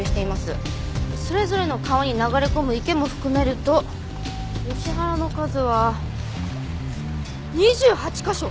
それぞれの川に流れ込む池も含めるとヨシ原の数は２８カ所！？